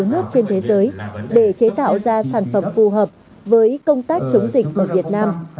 các nước trên thế giới để chế tạo ra sản phẩm phù hợp với công tác chống dịch ở việt nam